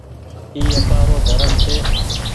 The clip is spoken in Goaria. اي آپآرو ڌرم ڇي۔